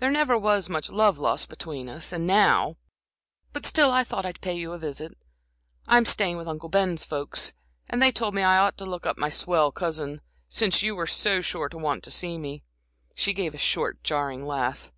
"There never was much love lost between us, and now but still I thought I'd pay you a visit. I'm staying with Uncle Ben's folks, and they told me I ought to look up my swell cousin since you were so sure to want to see me" she gave a short, jarring laugh.